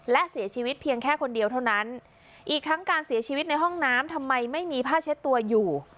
และเสียชีวิตเพียงแค่คนเดียวเท่านั้นอีกทั้งการเสียชีวิตในห้องน้ำทำไมไม่มีผ้าเช็ดตัวอยู่